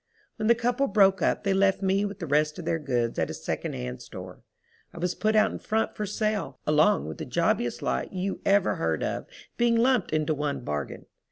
When the couple broke up they left me with the rest of their goods at a second hand store. I was put out in front for sale along with the jobbiest lot you ever heard of being lumped into one bargain.